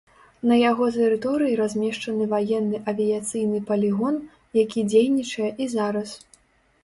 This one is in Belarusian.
На яго тэрыторыі размешчаны ваенны авіяцыйны палігон, які дзейнічае і зараз.